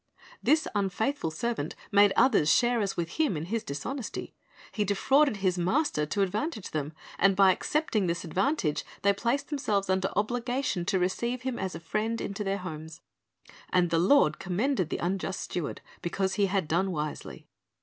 This unfaithful servant made others sharers with him in his dishonesty. He defrauded his master to advantage them, and by accepting this advantage they placed themselves under obligation to receive him as a friend into their homes. " And the lord commended the unjust steward, because he had done wisely."